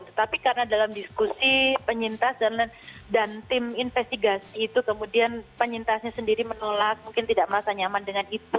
tetapi karena dalam diskusi penyintas dan tim investigasi itu kemudian penyintasnya sendiri menolak mungkin tidak merasa nyaman dengan itu